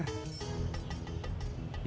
yang tidak tersentuh orang